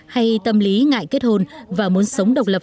hay tâm lý ngại kết hôn và muốn sống độc lập